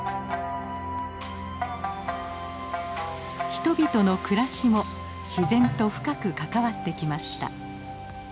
人々の暮らしも自然と深く関わってきました。